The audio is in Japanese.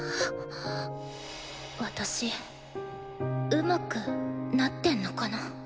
私うまくなってんのかな。